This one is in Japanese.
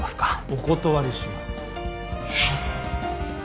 お断りします